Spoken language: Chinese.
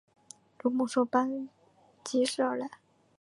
如猛兽般疾驶而来